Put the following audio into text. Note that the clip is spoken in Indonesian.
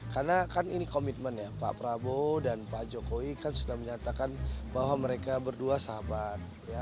karena kan ini komitmen ya pak prabowo dan pak jokowi kan sudah menyatakan bahwa mereka berdua sahabat